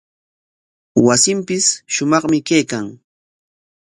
Wasinpis shumaqmi kaykan.